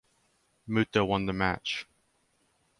Muta won the match.